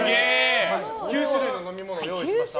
９種類の飲み物を用意しました。